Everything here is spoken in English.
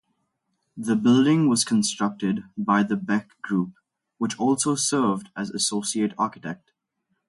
The building was constructed by The Beck Group, which also served as associate architect.